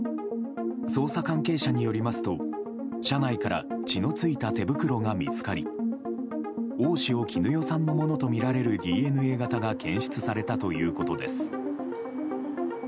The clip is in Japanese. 捜査関係者によりますと車内から血の付いた手袋が見つかり大塩衣与さんのものとみられるＤＮＡ型が検出されたということです。